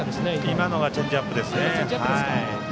今のがチェンジアップですね。